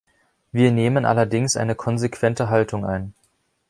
Wir nehmen allerdings eine konsequente Haltung ein.